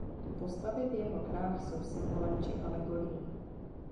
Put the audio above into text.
Postavy v jeho hrách jsou symbolem či alegorií.